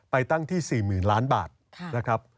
ไปตั้งที่๔๐๐๐๐๐๐๐บาทนะครับ